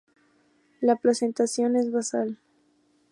La placentación es basal.